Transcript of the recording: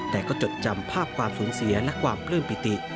แต่ก็จดจำภาพความสูญเสียและความปลื้มปิติ